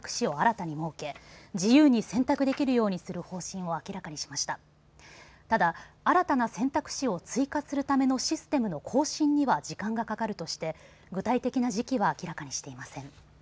ただ、新たな選択肢を追加するためのシステムの更新には時間がかかるとして具体的な時期は明らかにしていません。